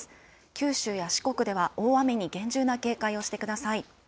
九州や四国では大雨に厳重な警戒をしてください。